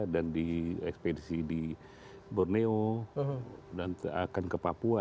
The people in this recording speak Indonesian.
dan di ekspedisi di borneo dan akan ke papua